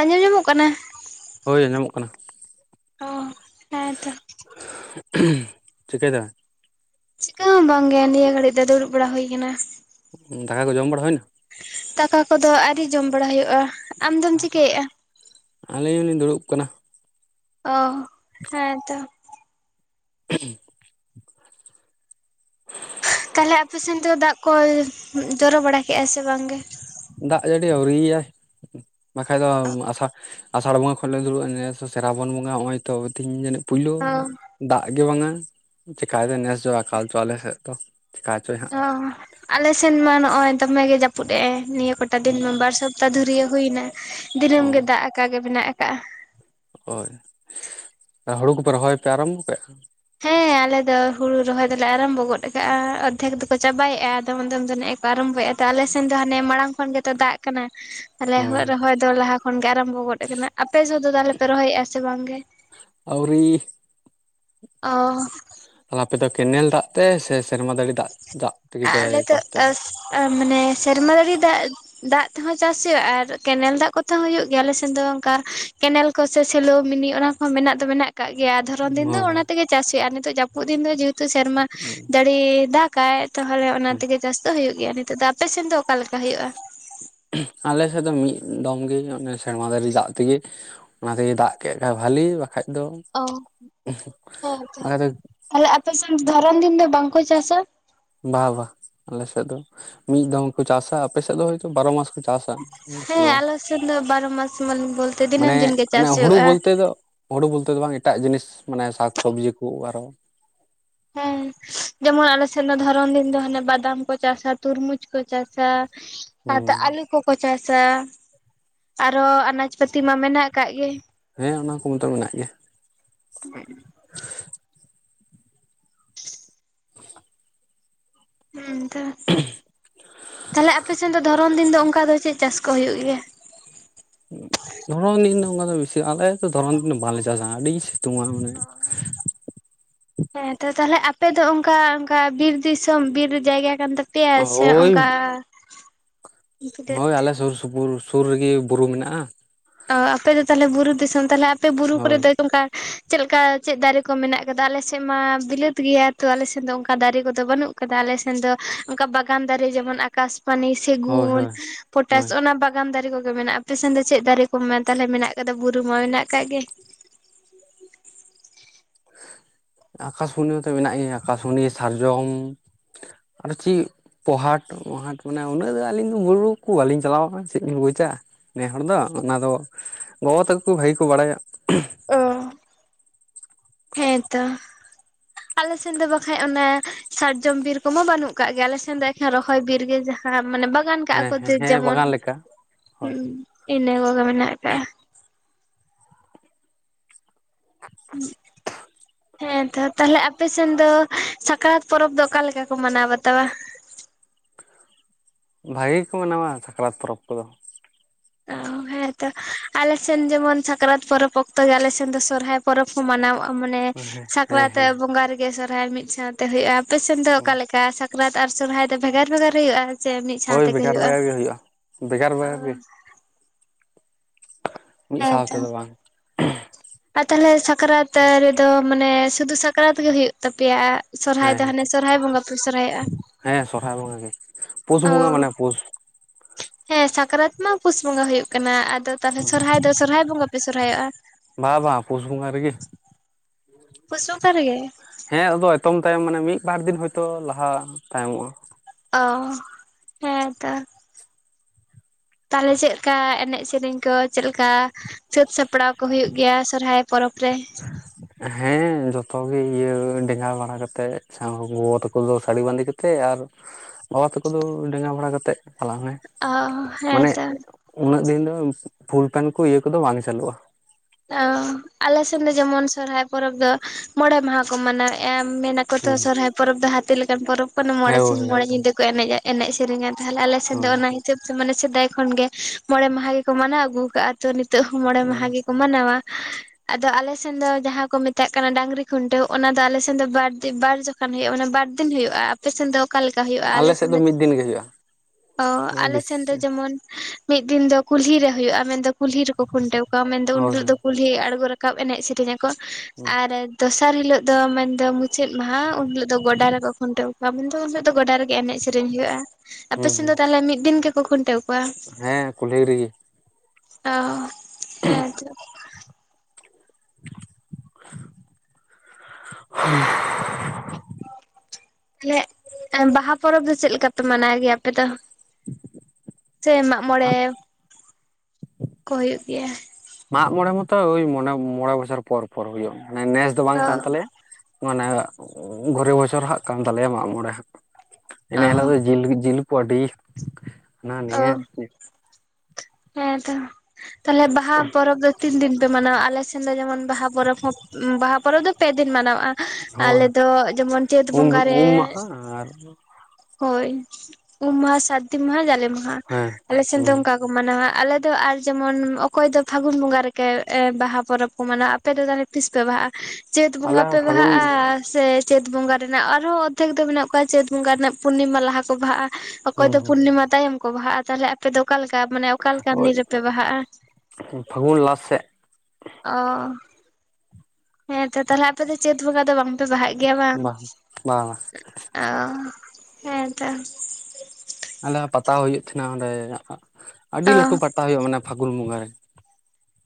ᱟᱡᱚᱢ ᱧᱟᱢᱚᱜ ᱠᱟᱱᱟ᱾ ᱦᱳᱭ ᱧᱟᱢᱚᱜ ᱠᱟᱱᱟ᱾ ᱚ ᱦᱮᱸᱛᱚ [unintelligible] ᱪᱤᱠᱟᱹᱭ ᱮᱫᱟ᱾ ᱪᱤᱠᱠᱟ ᱦᱚᱸ ᱵᱟᱝ ᱜᱮᱭᱟ ᱱᱤᱭᱟᱹ ᱜᱷᱟᱹᱲᱤᱡ ᱫᱚ ᱫᱩᱲᱩᱵ ᱵᱟᱲᱟ ᱦᱩᱭᱟᱱᱟ ᱫᱟᱠᱟ ᱠᱚ ᱡᱚᱢ ᱵᱟᱲᱟ ᱦᱩᱭᱱᱟ? ᱫᱟᱠᱟ ᱠᱚᱫᱚ ᱟᱨᱣᱨᱤ ᱡᱚᱢ ᱵᱟᱲᱟ ᱦᱩᱭᱩᱜᱼᱟ᱾ ᱟᱢᱫᱚᱢ ᱟᱯᱚᱨ ᱟᱨ ᱪᱤᱠᱟᱹᱭᱮᱜᱼᱟ? ᱟᱹᱞᱤᱧ ᱦᱚᱸ ᱞᱤᱧ ᱫᱩᱲᱩᱵ ᱟᱠᱟᱱᱟ᱾ ᱚ ᱦᱮᱸᱛᱚ᱾ [inaudible] ᱛᱟᱦᱚᱞᱮ ᱟᱯᱮ ᱥᱮᱱ ᱛᱮᱫ ᱫᱟᱜ ᱠᱚ ᱡᱚᱨᱚ ᱵᱟᱲᱟ ᱠᱮᱫᱼᱟ ᱥᱮ ᱵᱟᱝ ᱜᱮ? ᱫᱟᱜ ᱡᱟᱹᱲᱤ ᱟᱹᱣᱨᱤᱼᱟ᱾ ᱵᱟᱠᱷᱟᱡ ᱫᱚ ᱟᱥᱟᱲ ᱟᱥᱟᱲ ᱵᱚᱸᱜᱟ ᱠᱷᱚᱱ ᱞᱮ ᱫᱩᱲᱩᱵᱼᱟ ᱥᱮᱨᱟᱵᱚᱱ ᱵᱚᱸᱜᱟ ᱱᱚᱜ ᱚᱚᱭ ᱛᱚ ᱛᱤᱦᱤᱧ ᱡᱟᱹᱱᱤᱡ ᱯᱩᱭᱞᱩ ᱚ ᱫᱟᱜ ᱜᱮ ᱵᱟᱝᱟ ᱪᱮᱠᱟᱛᱮ ᱱᱮᱥ ᱡᱚᱜ ᱟᱠᱟᱠᱟᱞ ᱪᱚ ᱟᱞᱮᱥᱮᱫ ᱫᱚ ᱪᱮᱠᱟ ᱪᱚ ᱚ ᱟᱞᱮ ᱥᱮᱱ ᱢᱟ ᱱᱚᱜᱼᱚᱭ ᱫᱚᱢᱮ ᱜᱮ ᱡᱟᱹᱯᱩᱫ ᱮ ᱮ ᱱᱤᱭᱟᱹ ᱠᱚᱴ ᱥᱟᱯᱛᱟ ᱫᱤᱱ ᱢᱟ ᱵᱟᱨ ᱥᱚᱯᱛᱟᱟᱦ ᱫᱷᱩᱨᱭ ᱦᱩᱭᱱᱟ ᱫᱤᱱᱟᱹᱢ ᱜᱮ ᱫᱟᱜ ᱟᱠᱟ ᱜᱮ ᱢᱮᱱᱟᱜ ᱟᱠᱟᱜᱼᱟ᱾ ᱦᱳᱭ ᱦᱩᱲᱩ ᱠᱚᱯᱮ ᱨᱚᱦᱚᱭ ᱯᱮ ᱟᱨᱟᱢᱵᱚ ᱠᱮᱫᱼᱟ᱾ ᱦᱮᱸ ᱟᱞᱮ ᱫᱚ ᱦᱩᱲᱩ ᱨᱚᱦᱚᱭ ᱫᱚᱞᱮ ᱟᱨᱟᱢᱵᱚ ᱜᱚᱫ ᱟᱠᱟᱜᱼᱟ ᱚᱨᱫᱷᱮᱠ ᱫᱚᱠᱚ ᱪᱟᱵᱟᱭᱮᱫᱼᱟ᱾ ᱟᱫᱚᱢ ᱫᱚ [unintelligible] ᱛᱚ ᱟᱞᱮ ᱥᱮᱱ ᱫᱚ ᱦᱟᱱᱮ ᱢᱟᱲᱟᱝ ᱠᱷᱚᱱ ᱜᱮᱛᱚ ᱫᱟᱜ ᱠᱟᱱᱟ᱾ ᱟᱞᱮ ᱦᱳᱭ ᱦᱚᱸ ᱨᱚᱦᱚᱭ ᱫᱚ ᱞᱟᱦᱟ ᱠᱷᱚᱱ ᱜᱮ ᱟᱨᱟᱢᱵᱚ ᱜᱚᱫ ᱟᱠᱟᱱᱟ᱾ ᱟᱯᱮ ᱥᱮᱫ ᱫᱚ ᱛᱟᱦᱞᱮ ᱯᱮ ᱨᱚᱦᱚᱭᱮᱫ ᱟ ᱥᱮ ᱵᱟᱝᱜᱮ? ᱟᱹᱣᱨᱤᱻ ᱚᱻ ᱟᱯᱮ ᱫᱚ ᱠᱮᱱᱮᱞ ᱫᱟᱜ ᱛᱮ ᱥᱮ ᱥᱮᱨᱢᱟ ᱫᱟᱨᱮ ᱫᱟᱜ ᱫᱟᱜ ᱛᱮᱜᱮᱯᱮ ᱟᱞᱮ ᱫᱚ ᱪᱟᱥ ᱛᱟᱦᱮᱱᱟ᱾ ᱢᱟᱱᱮ ᱥᱮᱨᱢᱟ ᱡᱟᱸᱲᱤ ᱫᱟᱜ ᱫᱟᱜ ᱛᱮᱦᱚᱸ ᱪᱟᱥ ᱦᱩᱭᱩᱜᱼᱟ ᱟᱨ ᱠᱮᱱᱮᱞ ᱫᱟᱜ ᱠᱚᱛᱮ ᱦᱚᱸ ᱦᱩᱭᱩᱜ ᱜᱮᱭᱟ᱾ᱟᱞᱮ ᱫᱚ ᱚᱱᱠᱟ ᱠᱮᱱᱮᱞ ᱠᱚ ᱥᱮ ᱥᱮᱞᱳ ᱢᱤᱱᱤ ᱚᱱᱟ ᱠᱚᱦᱚᱸ ᱢᱮᱱᱟᱜ ᱫᱚ ᱢᱮᱱᱟᱜ ᱠᱟᱜ ᱜᱮᱭᱟ᱾ ᱫᱷᱚᱨᱚᱱ ᱫᱤᱱ ᱫᱚ ᱦᱳᱭ ᱚᱱᱟᱛᱮᱜᱮ ᱪᱟᱥ ᱦᱩᱭᱩᱜᱼᱟ, ᱱᱤᱛᱚᱜ ᱡᱟᱹᱯᱩᱫ ᱫᱤᱱ ᱫᱚ ᱡᱮᱦᱮᱛᱩ ᱥᱮᱨᱢᱟ ᱡᱟᱹᱲᱤ ᱠᱷᱟᱡ ᱛᱟᱦᱚᱞᱮ ᱚᱱᱟ ᱦᱳᱭ ᱛᱮᱜᱮ ᱪᱟᱥ ᱫᱚ ᱦᱩᱭᱩᱜ ᱜᱮᱭᱟ᱾ ᱱᱤᱛᱚᱜ ᱫᱚ ᱟᱯᱮᱥᱮᱱ ᱫᱚ ᱚᱠᱟᱞᱮ ᱞᱮᱠᱟ ᱦᱩᱭᱩᱜᱼᱟ? ᱟᱞᱮ ᱥᱮᱫ ᱫᱚ ᱢᱤᱫ ᱫᱚᱢ ᱜᱮ ᱦᱩᱭᱩᱜ-ᱟ ᱥᱮᱨᱢᱟ ᱡᱟᱹᱲᱤ ᱫᱟᱜ ᱛᱮᱜᱤ᱾ ᱚᱱᱟ ᱛᱮᱜᱮ ᱫᱟᱜ ᱠᱮᱫ ᱠᱷᱟᱱ ᱵᱷᱟᱹᱞᱤ᱾ ᱵᱟᱠᱷᱟᱡ ᱫᱚ ᱚ ᱦᱮᱸ ᱛᱚ ᱵᱟᱠᱷᱟᱡ ᱫᱚ ᱛᱟᱦᱚᱞᱮ ᱟᱯᱮ ᱥᱮᱫ ᱫᱷᱚᱨᱚᱢ ᱫᱤᱱ ᱫᱚ ᱵᱟᱝᱠᱚ ᱪᱟᱥ? ᱵᱟ ᱵᱟ ᱟᱞᱮᱥᱮᱫ ᱫᱚ ᱢᱤᱫ ᱫᱚᱢ ᱠᱚ ᱪᱟᱥᱟ᱾ ᱟᱯᱮᱥᱮᱫ ᱫᱚ ᱦᱚᱭᱛᱚ ᱵᱟᱨᱚ ᱢᱟᱥ ᱪᱟᱥᱟ ᱦᱮᱸ ᱫᱚ ᱟᱞᱮ ᱥᱮᱱ ᱫᱚ ᱵᱟᱨᱚ ᱢᱟᱥ ᱵᱚᱞᱛᱮ ᱫᱤᱱᱟᱹᱢ ᱢᱟᱱᱮ ᱫᱤᱱ ᱜᱮ ᱚᱱᱮ ᱪᱟᱥ ᱦᱩᱲᱩ ᱦᱩᱭᱩᱜᱼᱟ᱾ ᱵᱚᱞᱛᱮ ᱫᱚ ᱦᱩᱲᱩ ᱵᱚᱞᱛᱮ ᱫᱚ ᱵᱟᱝ ᱮᱴᱟᱜ ᱡᱤᱱᱤᱥ ᱢᱟᱱᱮ ᱥᱟᱠᱥᱚᱵᱽᱡᱤ ᱠᱚ ᱟᱨᱚ ᱦᱮᱸ [inaudible] ᱡᱮᱢᱚᱱ ᱟᱞᱮ ᱥᱮᱫ ᱫᱚ ᱫᱷᱚᱨᱚᱱ ᱫᱤᱱ ᱫᱚ ᱦᱟᱱᱮ ᱵᱟᱫᱟᱢ ᱠᱚ ᱪᱟᱥᱟ ᱛᱩᱨᱢᱩᱡᱽ ᱠᱚ ᱪᱟᱥᱟ᱾ ᱥᱟᱶᱛᱮ ᱦᱩᱸ ᱟᱹᱞᱩ ᱠᱚᱠᱚ ᱪᱟᱥᱟ ᱟᱨᱚ ᱟᱱᱟᱡᱽ ᱯᱟᱹᱛᱤ ᱢᱟ ᱢᱮᱱᱟᱜ ᱟᱠᱟᱫ ᱜᱮ᱾ ᱦᱮᱸ ᱚᱱᱟ ᱠᱚ ᱢᱚ ᱛᱚ ᱢᱮᱱᱟᱜ ᱜᱮ᱾ ᱢᱮᱫ ᱦᱮᱸ ᱛᱚ ᱛᱟᱦᱞᱮ ᱟᱯᱮᱥᱮᱱ ᱫᱚ ᱫᱷᱚᱨᱚᱱ ᱫᱤᱱ ᱫᱚ ᱚᱱᱠᱟ ᱫᱚ ᱪᱮᱫ ᱪᱟᱥ ᱠᱚ ᱦᱩᱭᱩᱜ ᱜᱮᱭᱟ? ᱫᱷᱚᱨᱚᱢ ᱫᱤᱱ ᱫᱚ ᱚᱱᱠᱟ ᱫᱚ ᱵᱮᱥᱤ ᱟᱞᱮ ᱫᱷᱚᱨᱚᱢ ᱫᱤᱱ ᱫᱚ ᱵᱟᱞᱮ ᱪᱟᱥᱟ ᱟᱹᱰᱤ ᱥᱤᱛᱩᱝᱼᱟ? ᱢᱟᱱᱮ ᱦᱮᱸ ᱛᱚ ᱛᱟᱦᱚᱞᱮ ᱟᱯᱮ ᱫᱚ ᱚᱱᱠᱟ ᱚᱱᱠᱟ ᱵᱤᱨ ᱫᱤᱥᱚᱢ ᱵᱤᱨ ᱡᱟᱭᱜᱟ ᱠᱟᱱ ᱛᱟᱯᱮ ᱯᱮᱭᱟ ᱪᱮ ᱦᱳᱭ ᱚᱱᱠᱟ ᱵᱤᱞᱟᱹᱛ ᱦᱳᱭ ᱟᱞᱮ ᱥᱩᱨ ᱥᱩᱯᱩᱨ ᱥᱩᱨ ᱨᱮᱜᱮ ᱵᱩᱨᱩ ᱢᱮᱱᱟᱜᱼᱟ᱾ ᱚ ᱟᱯᱮ ᱫᱚ ᱛᱟᱦᱚᱞᱮ ᱵᱩᱨᱩ ᱫᱤᱥᱚᱢ ᱛᱟᱦᱞᱮ ᱟᱯᱮ ᱵᱩᱨᱩ ᱠᱚᱨᱮ ᱦᱳᱭ ᱫᱚ ᱚᱱᱠᱟ ᱪᱮᱫ ᱞᱮᱠᱟ ᱪᱮᱫ ᱫᱟᱨᱮ ᱠᱚ ᱢᱮᱱᱟᱜ ᱟᱠᱟᱫᱟ? ᱟᱞᱮ ᱥᱮᱫ ᱢᱟ ᱵᱤᱞᱟᱹᱛ ᱜᱮᱭᱟ ᱛᱚ ᱟᱞᱮ ᱥᱮᱫ ᱫᱚ ᱚᱱᱠᱟ ᱫᱟᱨᱮ ᱠᱚᱫᱚ ᱵᱟᱹᱱᱩᱜ ᱟᱠᱟ ᱚᱱᱠᱟ ᱟᱞᱮ ᱥᱮᱱ ᱫᱚ ᱚᱱᱠᱟ ᱵᱟᱜᱟᱱ ᱫᱟᱨᱮ ᱡᱮᱢᱚᱱ ᱟᱠᱟᱥᱯᱟᱱᱤ᱾ ᱦᱳᱭ ᱥᱮᱜᱩᱱ ᱦᱳᱭ ᱦᱳᱭ ᱯᱚᱴᱟᱥ ᱚᱱᱟ ᱵᱟᱜᱟᱱ ᱫᱟᱨᱮ ᱠᱚᱜᱮ ᱢᱮᱱᱟᱜᱼᱟ᱾ ᱟᱯᱮ ᱥᱮᱱ ᱫᱚ ᱪᱮᱫ ᱫᱟᱨᱮ? ᱫᱚᱢᱮ ᱛᱟᱦᱚᱞᱮ ᱢᱮᱱᱟᱜ ᱟᱠᱟᱫᱟ ᱵᱩᱨᱩ ᱢᱟ ᱢᱮᱱᱟᱜ ᱟᱠᱟᱫ ᱜᱮ᱾ ᱟᱠᱟᱥᱢᱩᱱᱤ ᱢᱟᱛᱚ ᱢᱮᱱᱟᱜ ᱜᱮ ᱟᱠᱟᱥᱢᱩᱱᱤ ᱥᱟᱨᱡᱚᱢ ᱟᱨᱚ ᱪᱮᱫ? ᱯᱳᱦᱟᱴ ᱯᱳᱦᱟᱴ ᱢᱟᱱᱮ ᱩᱱᱟᱹᱜ ᱫᱚ ᱟᱹᱞᱤᱧ ᱫᱚ ᱵᱩᱨᱩ ᱠᱚ ᱵᱟᱟᱹᱞᱤᱧ ᱪᱟᱞᱟᱣᱟ ᱪᱮᱫ ᱞᱤᱧ ᱵᱩᱡᱟ? ᱱᱮ ᱦᱚᱲ ᱫᱚ ᱚᱱᱟ ᱫᱚ ᱜᱚᱜᱚ ᱛᱟᱠᱚ ᱠᱚ ᱵᱷᱟᱹᱜᱤ ᱠᱚ ᱵᱟᱲᱟᱭᱟ᱾ [inaudible] ᱦᱮᱸᱛᱚ [inaudible] ᱟᱞᱮᱥᱮᱱ ᱫᱚ ᱵᱟᱠᱟᱡ ᱚᱱᱟ ᱥᱟᱨᱡᱚᱢ ᱵᱤᱨ ᱠᱚᱢᱟ ᱵᱟᱹᱱᱩᱜ ᱠᱟᱜ ᱜᱮᱭᱟ᱾ ᱟᱞᱮᱥᱮᱱ ᱫᱚ ᱮᱠᱷᱟᱱ ᱨᱚᱦᱚᱭ ᱵᱤᱨ ᱜᱮ᱾ ᱡᱟᱦᱟᱸ ᱢᱟᱱᱮ ᱵᱟᱠ ᱜᱟᱱ ᱠᱟᱜ ᱦᱮᱸ ᱦᱮᱸ ᱠᱚ ᱦᱮᱸ ᱡᱮᱢᱚᱱ ᱵᱟᱜᱟᱱ ᱞᱮᱠᱟ ᱦᱳᱭ ᱤᱱᱟᱹ ᱠᱚᱜᱮ ᱢᱮᱱᱟᱜ ᱟᱠᱟᱜ-ᱟ᱾ [unintelligible] ᱦᱮᱸ ᱛᱚ ᱛᱟᱦᱚᱞᱮ ᱟᱯᱮᱥᱮᱱ ᱫᱚ ᱥᱟᱠᱨᱟᱛ ᱯᱚᱨᱚᱵᱽ ᱫᱚ ᱚᱠᱟᱞᱮ ᱞᱮᱠᱟ ᱠᱚ ᱢᱟᱱᱟᱣ ᱵᱟᱛᱟᱣᱟ? ᱵᱷᱟᱹᱜᱮ ᱜᱮ ᱠᱚ ᱢᱟᱱᱟᱣᱟ ᱥᱟᱠᱨᱟᱛ ᱯᱚᱨᱚᱵᱽ ᱠᱚᱫᱚ᱾ ᱚ ᱦᱮᱸᱛᱚ ᱟᱞᱮ ᱥᱮᱱ ᱡᱮᱢᱚᱱ ᱥᱟᱠᱨᱟᱛ ᱯᱚᱨᱚᱵ ᱚᱠᱛᱚ ᱜᱮ ᱟᱞᱮ ᱥᱮᱱ ᱫᱚ ᱥᱚᱨᱦᱟᱭ ᱯᱚᱨᱚᱵᱽ ᱠᱚ ᱢᱟᱱᱟᱣᱟᱼᱟ᱾ ᱢᱟᱱᱮ ᱦᱮᱸ ᱦᱮᱸ ᱥᱟᱠᱨᱟᱛ ᱦᱮᱸ ᱵᱚᱸᱜᱟ ᱨᱮᱜᱮ ᱥᱚᱨᱦᱟᱭ ᱢᱤᱫ ᱥᱟᱶ ᱛᱮ ᱦᱩᱭᱩᱜᱼᱟ, ᱟᱯᱮᱥᱮᱱ ᱫᱚ ᱚᱠᱟ ᱞᱮᱠᱟ ᱥᱟᱠᱨᱟᱛ ᱟᱨ ᱥᱚᱨᱦᱟᱭ ᱫᱚ ᱵᱷᱮᱜᱟᱨ ᱵᱷᱮᱜᱟᱨ ᱦᱩᱭᱩᱜᱼᱟ? ᱪᱮ ᱢᱤᱫ ᱥᱟᱶ ᱦᱳᱭ ᱛᱮᱜᱮ ᱵᱷᱮᱜᱟᱨ ᱦᱩᱭᱩᱜᱼᱟ? ᱵᱷᱮᱜᱟᱨ ᱜᱮ ᱵᱷᱮᱜᱟᱨ ᱚᱻ ᱵᱷᱮᱜᱟᱨ ᱜᱮ ᱢᱤᱫ ᱥᱟᱶᱛᱮ ᱦᱮᱸᱛᱚ ᱫᱚ ᱵᱟᱝ ᱟᱨ ᱛᱟᱦᱚᱞᱮ ᱥᱟᱠᱨᱟᱛ ᱨᱮᱫᱚ ᱢᱟᱱᱮ ᱥᱩᱫᱷᱩ ᱥᱟᱠᱨᱟᱛ ᱜᱮ ᱦᱩᱭᱩᱜ ᱛᱟᱯᱮᱭᱟ? ᱥᱚᱨᱦᱟᱭ ᱫᱚ ᱦᱮᱸ ᱦᱟᱱᱮ ᱥᱚᱨᱦᱟᱭ ᱵᱚᱸᱜᱟ ᱯᱮ ᱥᱚᱨᱦᱟᱭᱚᱜᱼᱟ ᱦᱮᱸ ᱥᱚᱨᱦᱟᱭ ᱵᱚᱸᱜᱟ ᱜᱮ᱾ ᱯᱩᱥ ᱚ ᱵᱚᱸᱜᱟ ᱢᱟᱱᱮ ᱯᱩᱥ ᱦᱮᱸ ᱥᱟᱠᱨᱟᱛ ᱢᱟ ᱯᱩᱥ ᱵᱚᱸᱜᱟ ᱦᱩᱭᱩᱜ ᱠᱟᱱᱟ᱾ ᱟᱫ ᱛᱚ ᱛᱟᱦᱚᱞᱮ ᱥᱚᱨᱦᱟᱭ ᱫᱚ ᱥᱚᱨᱦᱟᱭ ᱵᱚᱸᱜᱟ ᱯᱮ ᱥᱚᱨᱦᱟᱭ ᱚᱜᱼᱟ ᱵᱟᱝ ᱵᱟᱝ ᱯᱩᱥ ᱵᱚᱸᱜᱟ ᱨᱮᱜᱮ ᱯᱩᱸᱥ ᱵᱚᱸᱜᱟ ᱨᱮᱜᱮ ᱦᱮᱸ ᱟᱫᱚ ᱮᱛᱚᱢ ᱛᱟᱭᱚᱢ ᱢᱟᱱᱮ ᱢᱤᱫ ᱵᱟᱨ ᱫᱤᱱ ᱦᱚᱭᱛᱚ ᱞᱟᱦᱟ ᱛᱟᱭᱚᱢᱚᱜᱼᱟ᱾ ᱚ ᱦᱮᱸ ᱛᱚ ᱛᱟᱦᱚᱞᱮ ᱪᱮᱫ ᱠᱟ ᱮᱱᱮᱡ ᱥᱮᱨᱮᱧ ᱠᱚ ᱪᱮᱫ ᱞᱮᱠᱟ ᱥᱟᱹᱛ ᱥᱟᱯᱲᱟᱣ? ᱠᱚ ᱦᱩᱭᱩᱜ ᱜᱮᱭᱟ ᱥᱚᱨᱦᱟᱭ ᱯᱚᱨᱚᱵᱽ ᱨᱮ [inaudible] ᱦᱮᱸ ᱡᱚᱛᱚᱜ ᱜᱮ ᱤᱭᱟᱹ ᱰᱮᱸᱜᱟ ᱵᱟᱲᱟ ᱠᱟᱛᱮᱫ ᱥᱮ ᱜᱚᱜᱚ ᱛᱟᱠᱚ ᱫᱚ ᱥᱟᱹᱲᱤ ᱵᱟᱸᱫᱮ ᱠᱟᱛᱮᱫ ᱟᱨ ᱵᱟᱵᱟ ᱛᱟᱠᱚ ᱫᱚ ᱰᱮᱸᱜᱟ ᱵᱟᱷᱟᱲᱟ ᱠᱟᱛᱮᱫ᱾ ᱦᱟᱞᱟᱝ ᱢᱮ ᱚ ᱢᱟᱱᱮ ᱦᱮᱸᱛᱚ ᱩᱱᱟᱹᱜ ᱫᱤᱱ ᱫᱚ ᱯᱷᱩᱞ ᱯᱮᱱᱴ ᱠᱚ ᱤᱭᱟᱹ ᱠᱚᱫᱚ ᱵᱟᱝ ᱪᱟᱞᱩᱜᱼᱟ ᱟᱞᱮ ᱥᱮᱫ ᱫᱚ ᱡᱮᱢᱚᱱ ᱥᱚᱨᱦᱟᱭ ᱯᱚᱨᱚᱵᱽ ᱫᱚ ᱢᱚᱬᱮ ᱢᱟᱦᱟ ᱠᱚ ᱢᱟᱱᱟᱣᱮᱫᱼᱟ ᱢᱮᱱ ᱟᱠᱚ ᱫᱚ ᱦᱮᱸ ᱥᱚᱨᱦᱟᱭ ᱯᱚᱨᱚᱵᱽ ᱫᱚ ᱦᱟᱹᱛᱤ ᱞᱮᱠᱟᱱ ᱯᱚᱨᱚᱵᱽ ᱠᱟᱱᱟ ᱢᱚᱬᱮ ᱦᱮᱸ ᱥᱤᱧ ᱦᱳᱭ ᱢᱚᱬᱮ ᱧᱤᱫᱟᱹ ᱠᱚ ᱮᱱᱮᱡᱼᱟ ᱮᱱᱮᱡ ᱥᱮᱨᱮᱧᱼᱟ᱾ ᱛᱟᱦᱚᱞᱮ ᱟᱞᱮ ᱥᱮᱱ ᱫᱚ ᱚᱱᱟ ᱦᱤᱥᱟᱹᱵ ᱛᱮ ᱢᱟᱱᱮ ᱥᱮᱫᱟᱭ ᱠᱷᱚᱱ ᱜᱮ ᱢᱚᱬᱮ ᱢᱟᱦᱟ ᱜᱮᱠᱚ ᱢᱟᱱᱟᱣ ᱟᱹᱜᱩ ᱠᱟᱜᱼᱟ᱾ ᱛᱚ ᱱᱤᱛᱚᱜ ᱦᱚᱸ ᱢᱚᱬᱮ ᱦᱳᱭ ᱢᱟᱦᱟ ᱜᱮᱠᱚ ᱢᱟᱱᱟᱣᱟ᱾ ᱟᱫᱚ ᱟᱞᱮ ᱥᱮᱱ ᱫᱚ ᱡᱟᱦᱟᱸ ᱠᱚ ᱢᱮᱛᱟᱜ ᱠᱟᱱᱟ ᱰᱟᱝᱨᱤ ᱠᱷᱩᱱᱴᱟᱹᱣ ᱚᱱᱟ ᱫᱚ ᱟᱞᱮ ᱥᱮᱱ ᱫᱚ ᱵᱟᱲᱛᱤ ᱵᱟᱨ ᱡᱚ ᱦᱩᱭᱩᱜᱼᱟ ᱢᱟᱱᱮ ᱵᱟᱨ ᱫᱤᱱ ᱦᱩᱭᱩᱜᱼᱟ᱾ ᱟᱯᱮ ᱥᱮᱱ ᱫᱚ ᱚᱠᱟ ᱞᱮᱠᱟ ᱦᱩᱭᱩᱜᱼᱟ? ᱟᱞᱮ ᱥᱮᱫ ᱥᱮᱱ ᱫᱚ ᱢᱤᱫ ᱫᱤᱱ ᱜᱮ ᱦᱩᱭᱩᱜᱼᱟ ᱚ ᱢᱟᱱᱮ ᱟᱞᱮ ᱵᱮᱥᱤ ᱥᱮᱱ ᱫᱚ ᱡᱮᱢᱚᱱ ᱢᱤᱫ ᱫᱤᱱ ᱫᱚ ᱠᱩᱞᱦᱤ ᱨᱮ ᱦᱩᱭᱩᱜᱼᱟ ᱢᱮᱱ ᱫᱚ ᱠᱩᱞᱦᱤ ᱨᱮᱠᱚ ᱠᱷᱩᱱᱴᱟᱹᱣ ᱠᱚᱣᱟ ᱢᱮᱱ ᱫᱚ ᱩᱱ ᱦᱳᱭ ᱦᱤᱞᱳᱜ ᱦᱳᱭ ᱫᱚ ᱠᱩᱞ ᱛᱷᱮ ᱟᱲᱜᱳ ᱨᱟᱠᱟᱵ ᱮᱱᱮᱡ ᱥᱮᱨᱮᱧ ᱟᱠᱚ ᱦᱩᱸ ᱟᱨ ᱫᱚᱥᱟᱨ ᱦᱤᱞᱳᱜ ᱫᱚ ᱢᱮᱱ ᱫᱚ ᱢᱩᱪᱟᱹᱫ ᱢᱟᱦᱟ ᱩᱱ ᱦᱤᱞᱳᱜ ᱫᱚ ᱜᱚᱰᱟ ᱨᱮᱠᱚ ᱠᱷᱩᱱᱴᱟᱹᱣ ᱠᱚᱣᱟ ᱢᱮᱱ ᱫᱚ ᱩᱱ ᱦᱤᱞᱳᱜ ᱫᱚ ᱜᱚᱰᱟ ᱨᱮ ᱮᱱᱮᱡ ᱥᱮᱨᱮᱧ ᱦᱩᱭᱩᱜᱼᱟ᱾ ᱟᱯᱮ ᱥᱮᱱ ᱫᱚ ᱦᱩᱸ ᱛᱟᱦᱚᱞᱮ ᱢᱤᱫ ᱫᱤᱱ ᱜᱮᱠᱚ ᱠᱷᱩᱱᱴᱟᱹᱣ ᱠᱚᱣᱟ? ᱦᱮᱸ ᱠᱩᱞᱦᱤ ᱨᱮᱜᱮ ᱚ ᱦᱮᱸ᱾ ᱛᱚ [inaudible] [inaudible] ᱦᱮᱸᱜ ᱵᱟᱦᱟ ᱯᱚᱨᱚᱵᱽ ᱫᱚ ᱪᱮᱫ ᱞᱮᱠᱟ ᱯᱮ ᱢᱟᱱᱟᱣ ᱜᱮᱭᱟ ᱟᱯᱮ ᱫᱚ? ᱥᱮ ᱢᱟᱜᱼᱢᱚᱬᱮ ᱠᱚ ᱦᱩᱭᱩᱜ ᱜᱮᱭᱟ? ᱢᱟᱜ ᱢᱚᱬᱮ ᱢᱚᱛᱚ ᱳᱭ ᱢᱚᱱᱮ ᱢᱚᱬᱮ ᱵᱚᱪᱷᱚᱨ ᱯᱚᱨ ᱯᱚᱨ ᱦᱩᱭᱩᱜ ᱢᱟᱱᱮ ᱱᱮᱥ ᱫᱚ ᱵᱟᱝ ᱚ ᱠᱟᱱ ᱛᱟᱞᱮᱭᱟ᱾ ᱢᱟᱱᱮ ᱜᱷᱚᱨᱮ ᱵᱚᱪᱷᱚᱨ ᱦᱟᱸᱜ ᱠᱟᱱ ᱛᱟᱞᱮᱭᱟ ᱢᱟᱜᱼᱢᱚᱬᱮ᱾ ᱮᱱᱟᱹ ᱚ ᱦᱤᱞᱳᱜ ᱫᱚ ᱡᱤᱞ ᱡᱤᱞ ᱠᱚ ᱟᱹᱰᱤ ᱦᱟᱱᱟ ᱚ ᱱᱤᱭᱟᱹ᱾ ᱦᱮᱸ ᱛᱚ ᱛᱟᱦᱚᱞᱮ ᱵᱟᱦᱟ ᱯᱚᱨᱚᱵᱽ ᱫᱚ ᱛᱤᱱ ᱫᱤᱱ ᱯᱮ ᱢᱟᱱᱟᱣᱟ ᱟᱞᱮ ᱥᱮᱱ ᱫᱚ ᱡᱮᱢᱚᱱ ᱵᱟᱦᱟ ᱯᱚᱨᱚᱵᱽ ᱦᱚᱸ ᱵᱟᱦᱟ ᱯᱚᱨᱚᱵᱽ ᱫᱚ ᱯᱮ ᱫᱤᱱ ᱢᱟᱱᱟᱣᱼᱟ᱾ ᱦᱳᱭ ᱟᱞᱮ ᱫᱚ ᱡᱮᱢᱚᱱ ᱪᱟᱹᱛ ᱩᱢ ᱵᱚᱸᱜᱟ ᱨᱮ᱾ ᱩᱢ ᱢᱟᱦᱟ ᱟᱨ ᱦᱳᱭ ᱩᱢ ᱢᱟᱦᱟ ᱥᱟᱹᱨᱫᱤ ᱢᱟᱦᱟ ᱡᱟᱞᱮ ᱢᱟᱦᱟ ᱦᱮᱸ ᱟᱞᱮ ᱥᱮᱱ ᱫᱚ ᱦᱩᱸ ᱚᱱᱠᱟ ᱠᱚ ᱢᱟᱱᱟᱣᱟ ᱟᱞᱮ ᱫᱚ ᱟᱨ ᱡᱮᱢᱚᱱ ᱚᱠᱚᱭ ᱫᱚ ᱯᱷᱟᱹᱜᱩᱱ ᱵᱚᱸᱜᱟ ᱨᱮᱜᱮ ᱮ ᱵᱟᱦᱟ ᱯᱚᱨᱚᱵᱽ ᱠᱚ ᱢᱟᱱᱟᱣᱟ ᱟᱯᱮ ᱫᱚ ᱛᱟᱦᱚᱞᱮ ᱛᱤᱥ ᱯᱮ ᱵᱟᱦᱟᱜᱼᱟ ᱪᱟᱹᱛ ᱟᱞᱮ ᱵᱚᱸᱜᱟ ᱯᱮ ᱦᱚᱸ ᱯᱷᱟᱹᱜᱩᱱ ᱵᱟᱦᱟᱜᱼᱟ ᱥᱮ ᱪᱟᱹᱛ ᱵᱚᱸᱜᱟ ᱨᱮᱱᱟᱜ ᱟᱨᱦᱚᱸ ᱚᱨᱫᱷᱮᱠ ᱫᱚ ᱢᱮᱱᱟᱜ ᱠᱚᱣᱟ ᱪᱟᱹᱛ ᱵᱚᱸᱜᱟ ᱨᱮᱱᱟᱜ ᱯᱩᱨᱱᱤᱢᱟ ᱞᱟᱦᱟ ᱠᱚ ᱵᱟᱦᱟᱜᱼᱟ᱾ ᱚᱠᱚᱭ ᱦᱩᱸ ᱫᱚ ᱦᱩᱸ ᱯᱩᱨᱱᱤᱢᱟ ᱛᱟᱭᱚᱢ ᱠᱚ ᱵᱟᱦᱟᱜᱼᱟ᱾ ᱛᱟᱦᱚᱞᱮ ᱟᱯᱮ ᱫᱚ ᱚᱠᱟ ᱞᱮᱠᱟ ᱢᱟᱱᱮ ᱚᱠᱟ ᱞᱮᱠᱟᱱ ᱳᱭ ᱫᱤᱱ ᱨᱮᱯᱮ ᱵᱟᱦᱟᱜᱼᱟ? ᱯᱷᱟᱹᱜᱩᱱ ᱞᱟᱥ ᱥᱮᱫ᱾ ᱚᱻ ᱦᱮᱸ ᱛᱚ ᱛᱟᱦᱚᱞᱮ ᱟᱯᱮ ᱫᱚ ᱪᱟᱹᱛ ᱵᱚᱸᱜᱟ ᱫᱚ ᱵᱟᱝ ᱯᱮ ᱵᱟᱦᱟᱜ ᱜᱮᱭᱟ ᱵᱟᱝ? ᱚ ᱦᱮᱸ ᱛᱚ᱾ ᱟᱞᱮ ᱦᱚ ᱯᱟᱛᱟ ᱦᱩᱭᱩᱜ ᱛᱟᱸᱦᱮᱱᱟ ᱚᱸᱰᱮ ᱟᱹᱰᱤ ᱚ ᱞᱟᱹᱴᱩ ᱯᱟᱛᱟ ᱦᱩᱭᱩᱜᱼᱟ ᱢᱟᱱᱮ ᱯᱷᱟᱹᱜᱩᱱ ᱵᱚᱸᱜᱟ ᱨᱮ᱾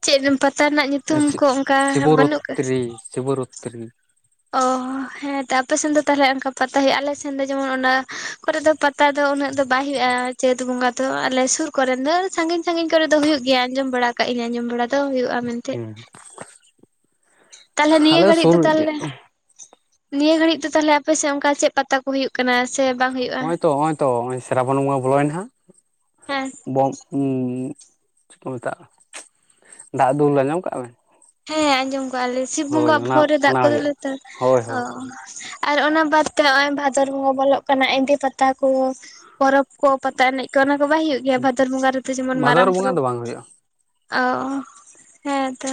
ᱪᱮᱫ ᱯᱟᱛᱟ ᱨᱮᱱᱟᱜ ᱧᱩᱛᱩᱢ ᱥᱤᱜ ᱠᱚ ᱚᱱᱠᱟ ᱵᱟᱹᱱᱩᱜ ᱥᱤᱵᱚᱨᱚᱛᱨᱤ ᱥᱤᱵᱚᱨᱚᱛᱨᱤ᱾ ᱚᱻ ᱦᱮᱸ ᱛᱚ ᱟᱯᱮ ᱥᱮᱱ ᱫᱚ ᱛᱟᱦᱚᱞᱮ ᱚᱱᱠᱟ ᱯᱟᱛᱟ ᱦᱩᱭᱩᱜᱼᱟ ᱟᱞᱮ ᱥᱮᱱ ᱫᱚ ᱡᱮᱢᱚᱱ ᱚᱱᱟ ᱠᱚᱨᱮ ᱫᱚ ᱯᱟᱛᱟ ᱫᱚ ᱩᱱᱟᱹᱜ ᱫᱚ ᱵᱟᱭ ᱦᱩᱭᱩᱜᱼᱟ᱾ ᱪᱟᱹᱛ ᱵᱚᱸᱜᱟ ᱫᱚ ᱟᱞᱮ ᱥᱩᱨ ᱠᱚᱨᱮᱱ ᱫᱚ ᱥᱟᱺᱜᱤᱧ ᱥᱟᱺᱜᱤᱧ ᱠᱚᱨᱮ ᱫᱚ ᱦᱩᱭᱩᱜ ᱜᱮᱭᱟ ᱟᱸᱡᱚᱢ ᱵᱟᱲᱟ ᱟᱠᱟᱫ ᱤᱧ ᱟᱸᱡᱚᱢ ᱵᱟᱲᱟ ᱫᱚ ᱦᱩᱭᱩᱜᱼᱟ ᱢᱮᱱ ᱛᱮ᱾ [inaudible] ᱛᱟᱦᱚᱞᱮ ᱱᱤᱭᱟᱹ ᱟᱞᱮ ᱜᱷᱟᱹᱲᱤᱡ ᱥᱩᱨ ᱫᱚ ᱨᱮᱜᱮ ᱛᱟᱦᱚᱞᱮ ᱱᱤᱭᱟᱹ ᱜᱷᱟᱹᱲᱤᱡ ᱫᱚ ᱛᱟᱦᱚᱞᱮ ᱟᱯᱮ ᱥᱮᱫ ᱚᱱᱠᱟ ᱪᱮᱫ ᱯᱟᱛᱟ ᱦᱩᱭᱩᱜ ᱠᱟᱱᱟ? ᱥᱮ ᱵᱟᱝ ᱦᱩᱭᱩᱜᱼᱟ ᱦᱚᱸᱜᱼᱚᱭ ᱛᱚ ᱱᱚᱜᱼᱚᱭ ᱛᱚ ᱱᱚᱜᱼᱚᱭ ᱥᱨᱟᱵᱚᱱ ᱵᱚᱸᱜᱟ ᱵᱚᱞᱚᱭᱮᱱᱟ ᱦᱟᱸᱜ ᱦᱮᱸ ᱦᱩᱸ ᱪᱮᱫ ᱠᱚ ᱢᱮᱛᱟᱜᱼᱟ ᱫᱟᱜ ᱫᱩᱞ ᱟᱸᱡᱚᱢ ᱠᱟᱜ ᱵᱮᱱ? ᱦᱮᱸ ᱟᱸᱡᱚᱢ ᱠᱚᱜᱼᱟ ᱞᱮ ᱥᱤᱵ ᱦᱳᱭ ᱵᱚᱸᱜᱟ ᱚᱱᱟ ᱵᱚᱦᱚᱜ ᱨᱮ ᱫᱟᱜ ᱚᱱᱟ ᱠᱚ ᱫᱩᱞ ᱦᱩᱭᱩᱜᱼᱟ ᱟᱠᱚ ᱛᱚ᱾ ᱦᱳᱭ ᱚᱻ ᱦᱳᱭ ᱟᱨ ᱚᱱᱟ ᱵᱟᱫᱛᱮ ᱱᱚᱜᱼᱚᱭ ᱵᱷᱟᱫᱚᱨ ᱵᱚᱸᱜᱟ ᱵᱚᱞᱚᱜ ᱠᱟᱱᱟ ᱮᱸᱫᱤ ᱯᱟᱛᱟ ᱠᱚ ᱯᱚᱨᱚᱵᱽ ᱠᱚ ᱯᱟᱛᱟ ᱮᱱᱮᱡ ᱠᱚ ᱚᱱᱟ ᱠᱚ ᱵᱟᱭ ᱦᱩᱭᱩᱜᱼᱟ? ᱜᱮᱭᱟ ᱵᱷᱟᱫᱚᱨ ᱵᱚᱸᱜᱟ ᱨᱮᱫᱚ ᱡᱮᱢᱚᱱ ᱵᱷᱟᱫᱚᱨ ᱢᱟᱨᱟᱝ ᱵᱚᱸᱜᱟ ᱯᱚᱨᱚᱵᱽ ᱫᱚ ᱵᱟᱝ ᱦᱩᱭᱩᱜᱼᱟ ᱚ ᱦᱮᱸ ᱛᱚ᱾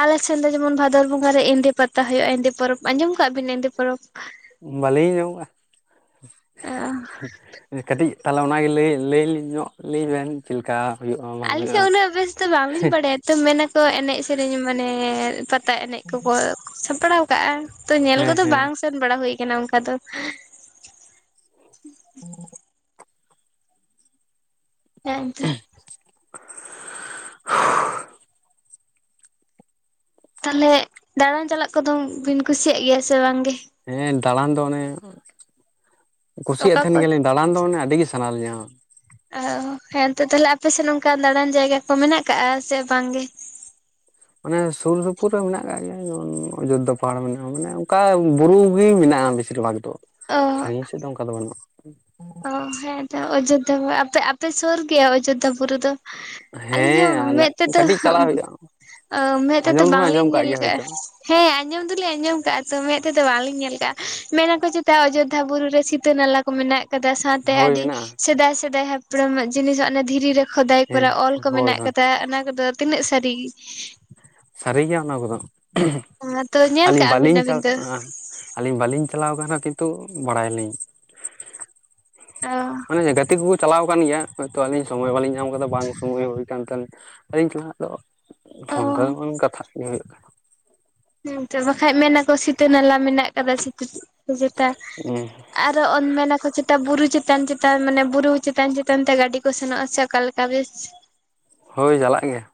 ᱟᱞᱮ ᱥᱮᱱ ᱫᱚ ᱡᱮᱢᱚᱱ ᱵᱷᱟᱫᱚᱨ ᱵᱚᱸᱜᱟ ᱨᱮ ᱮᱸᱫᱤ ᱯᱟᱛᱟ ᱦᱩᱭᱩᱜᱼᱟ᱾ ᱮᱸᱫᱤ ᱯᱚᱨᱚᱵᱽ ᱟᱸᱡᱚᱢ ᱠᱟᱜ ᱵᱤᱱ ᱮᱸᱫᱤ ᱯᱚᱨᱚᱵᱽ? ᱵᱟᱞᱤᱧ ᱟᱸᱡᱚᱢ ᱠᱟᱜᱼᱟ᱾ ᱠᱟᱹᱴᱤᱡ ᱛᱟᱦᱚᱞᱮ ᱚᱱᱟᱜᱮ ᱞᱟᱹᱭ ᱞᱟᱹᱭ ᱧᱚᱜ ᱞᱤᱧ ᱵᱮᱱ ᱪᱮᱫ ᱞᱮᱠᱟ? ᱦᱩᱭᱩᱜᱼᱟ ᱵᱟᱝ ᱟᱞᱤᱧ ᱥᱮ ᱦᱩᱭᱩᱜᱼᱟ ᱩᱱᱟᱜ ᱵᱮᱥ ᱫᱚ ᱵᱟᱝ ᱞᱤᱧ ᱵᱟᱲᱟᱭᱟ᱾ ᱛᱚ ᱢᱮᱱ ᱟᱠᱚ ᱮᱱᱮᱡ-ᱥᱮᱨᱮᱧ ᱢᱟᱱᱮ ᱯᱟᱛᱟ ᱮᱱᱮᱡ ᱠᱚᱠᱚ ᱥᱟᱯᱲᱟᱣ ᱠᱟᱜᱼᱟ ᱛᱚ ᱧᱮᱞ ᱦᱮᱸ ᱠᱚᱫᱚ ᱦᱮᱸ ᱵᱟᱝ ᱥᱮᱱ ᱵᱟᱲᱟ ᱦᱩᱭ ᱠᱟᱱᱟ ᱚᱱᱠᱟ ᱫᱚ᱾ ᱦᱮ ᱮᱱ ᱛᱚ᱾ ᱛᱟᱦᱚᱞᱮ ᱫᱟᱬᱟᱱ ᱪᱟᱞᱟᱜ ᱠᱚᱫᱚ ᱵᱤᱱ ᱠᱩᱥᱤᱭᱟᱜ ᱜᱮᱭᱟ᱾ ᱥᱮ ᱵᱟᱝ ᱜᱮ? ᱦᱮᱸ ᱫᱟᱬᱟᱱ ᱫᱚ ᱚᱱᱮ ᱠᱩᱥᱤᱭᱟᱜ ᱚᱠᱟ ᱛᱟᱦᱮᱱ ᱠᱚ ᱜᱮᱭᱟᱞᱤᱧ᱾ ᱫᱟᱬᱟᱱ ᱫᱚ ᱢᱟᱱᱮ ᱟᱹᱰᱤ ᱜᱮ ᱥᱟᱱᱟ ᱞᱤᱧᱟᱹ᱾ ᱚᱻ ᱦᱮᱸᱛᱚ ᱛᱟᱦᱚᱞᱮ ᱟᱯᱮᱥᱮᱫ ᱚᱱᱠᱟ ᱫᱟᱬᱟᱱ ᱡᱟᱭᱜᱟ ᱠᱚ ᱢᱮᱱᱟᱜ ᱟᱠᱟᱜ ᱥᱮ ᱵᱟᱝ ᱜᱮ? ᱟᱱᱮ ᱥᱩᱨ ᱥᱩᱯᱩᱨ ᱨᱮ ᱢᱮᱱᱟᱜ ᱟᱠᱟᱟᱜ ᱜᱮᱭᱟ ᱡᱮᱢᱚᱱ ᱚᱡᱳᱫᱽᱫᱷᱟ ᱯᱟᱦᱟᱲ ᱢᱮᱱᱟᱜᱼᱟ ᱢᱟᱱᱮ ᱚᱱᱠᱟ ᱵᱩᱨᱩ ᱜᱮ ᱢᱮᱱᱟᱜᱼᱟ ᱵᱮᱥᱤ᱾ ᱪᱮᱫ ᱦᱚ ᱵᱟᱝ ᱛᱚ᱾ ᱚᱻ ᱤᱧ ᱥᱮᱫ ᱫᱚ ᱚᱱᱠᱟ ᱫᱚ ᱵᱟᱹᱱᱩᱜᱼᱟ᱾ ᱚ ᱦᱮᱸ ᱛᱚ ᱚᱡᱳᱫᱽᱫᱷᱟ, ᱟᱯᱮ ᱟᱯᱮ ᱥᱩᱨ ᱜᱮᱭᱟ ᱚᱡᱳᱫᱽᱫᱷᱟ ᱵᱩᱨᱩ ᱫᱚ? ᱟᱹᱞᱤᱧ ᱦᱮᱸ ᱦᱚᱸ ᱟᱨ ᱢᱮᱸᱫ ᱛᱮᱫᱚᱼᱼ ᱠᱟᱹᱴᱤᱡ ᱪᱟᱞᱟᱜ ᱦᱩᱭᱩᱜᱼᱟ ᱢᱮᱫ ᱛᱮᱫᱚ ᱟᱸᱡᱚᱢ ᱫᱚᱵᱮᱱ ᱟᱸᱡᱚᱢ ᱵᱟᱝᱞᱤᱧ ᱠᱟᱜ ᱧᱮᱞ ᱜᱮᱭᱟ ᱦᱳᱭᱛᱳ ᱠᱟᱜᱼᱟ᱾ ᱦᱮᱸ ᱟᱸᱡᱚᱢ ᱫᱚᱞᱤᱧ ᱟᱸᱡᱚᱢ ᱠᱟᱜᱼᱟ ᱛᱚ, ᱢᱮᱫ ᱛᱮᱫᱚ ᱵᱟᱝᱞᱤᱧ ᱧᱮᱞ ᱠᱟᱜᱼᱟ᱾ ᱢᱮᱱᱟᱠᱚ ᱪᱮᱛᱟ ᱚᱡᱳᱫᱽᱫᱷᱟ ᱵᱩᱨᱩ ᱨᱮ ᱫᱤᱛᱼᱼ ᱥᱤᱛᱟᱹ ᱱᱟᱞᱟ ᱠᱚ ᱢᱮᱱᱟᱜ ᱟᱠᱟᱫᱟ ᱥᱟᱶᱛᱮ ᱦᱳᱭ ᱟᱹᱰᱤ ᱢᱮᱱᱟᱜᱼᱟ ᱥᱮᱫᱟᱭ ᱥᱮᱫᱟᱭ ᱦᱟᱯᱲᱟᱢᱟᱜ ᱡᱤᱱᱤᱥ ᱚᱱᱟ ᱫᱷᱤᱨᱤ ᱨᱮᱼᱼ ᱠᱷᱚᱫᱟᱭ ᱦᱮᱸ ᱠᱚᱨᱟ ᱚᱞ ᱠᱚ ᱦᱳᱭ ᱢᱮᱱᱟᱜ ᱦᱳᱭ ᱠᱟᱫᱟ ᱚᱱᱟ ᱠᱚᱫᱚ ᱛᱤᱱᱟᱹᱜ ᱥᱟᱹᱨᱤ ᱥᱟᱹᱨᱤᱜᱮᱭᱟ ᱚᱱᱟ ᱠᱚᱫᱚ ᱛᱚ ᱧᱮᱞ ᱟᱹᱞᱤᱧ ᱠᱟᱜᱼᱟ ᱵᱤᱱ ᱵᱟᱹᱞᱤᱧ ᱟᱹᱵᱤᱱ ᱫᱚ ᱪᱟᱞᱟᱜᱼᱟ᱾ ᱟᱹᱞᱤᱧ ᱵᱟᱞᱤᱧ ᱪᱟᱞᱟᱣ ᱟᱠᱟᱱᱟ ᱠᱤᱱᱛᱩ ᱵᱟᱲᱟᱭᱟᱞᱤᱧ ᱚ ᱢᱟᱱᱮ ᱜᱟᱛᱮ ᱠᱚᱠᱚ ᱪᱟᱞᱟᱣ ᱠᱟᱱ ᱜᱮᱭᱟ ᱦᱳᱭᱛᱚ ᱟᱞᱤᱧ ᱥᱚᱢᱚᱭ ᱵᱟᱞᱤᱧ ᱧᱟᱢ ᱟᱠᱟᱫᱟ ᱵᱟᱝ ᱥᱚᱢᱚᱭ ᱦᱩᱭ ᱠᱟᱱ ᱛᱤᱧ ᱟᱫᱚᱧ ᱥᱟᱞᱟᱜ ᱫᱚ ᱚ ᱯᱷᱳᱱ ᱛᱮ ᱨᱮᱦᱚᱸ ᱵᱤᱱ ᱠᱟᱛᱷᱟᱜ ᱜᱮ ᱦᱳᱭᱳᱜ ᱦᱮᱸ ᱛᱚ ᱵᱟᱠᱷᱟᱡ ᱢᱮᱱᱟᱠᱚ ᱥᱤᱛᱟᱹ ᱱᱟᱞᱟ ᱢᱮᱱᱟᱜ ᱠᱟᱫᱟ ᱥᱤᱛ ᱡᱮᱛᱟᱼᱼ ᱠᱟᱱᱟ ᱟᱨᱚ ᱚᱱ ᱢᱮᱱᱟᱠᱚ ᱪᱮᱛᱟ ᱵᱩᱨᱩ ᱪᱮᱛᱟᱱ ᱪᱮᱛᱟᱱ ᱢᱟᱱᱮ ᱵᱩᱨᱩ ᱪᱮᱛᱟᱱ-ᱪᱮᱛᱟᱱ ᱛᱮ ᱜᱟᱹᱰᱤ ᱠᱚ ᱥᱮᱱᱚᱜᱼᱟ ᱥᱮ ᱚᱠᱟᱞᱮᱠᱟ ᱵᱮᱥᱼᱼ [unintelligible] ᱦᱳᱭ ᱪᱟᱞᱟᱜ ᱜᱮᱭᱟ